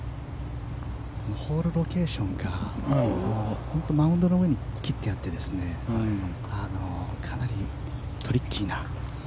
ホールロケーションがマウンドの上に切ってあってかなりトリッキーな。